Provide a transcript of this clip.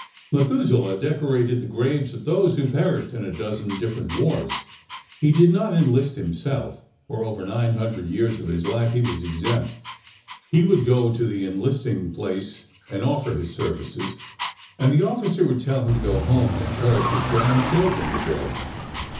Methuselah decorated the graves of those who perished in a dozen different wars. He did not enlist himself, for over nine hundred years of his life he was exempt. He would go to the enlisting place and offer his services, and the officer would tell him to go home and encourage his grand children to go.